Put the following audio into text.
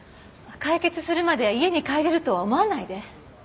解決するまで家に帰れるとは思わないで。